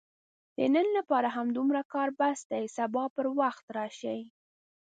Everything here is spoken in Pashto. د نن لپاره همدومره کار بس دی، سبا پر وخت راشئ!